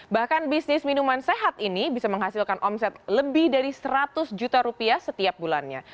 bahkan bisnis minuman sehat ini bisa menghasilkan omset lebih dari seratus juta rupiah setiap bulannya